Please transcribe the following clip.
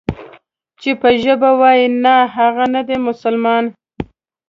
چې په ژبه وای نان، هغه نه دی مسلمان.